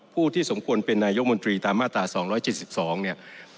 ผู้ที่สมควรเป็นนายกมนตรีตามมาตรา๒๗๒เนี่ย